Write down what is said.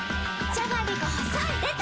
じゃがりこ細いでた‼